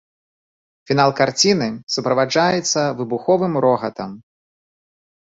Фінал карціны суправаджаецца выбуховым рогатам.